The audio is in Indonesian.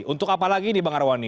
untuk apa lagi nih bang arwani